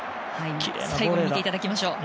最後に見ていただきましょう。